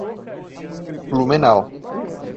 Blumenau